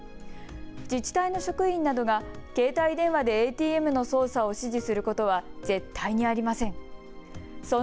自治体の職員などが携帯電話でＡＴＭの操作を指示することは絶対にありません。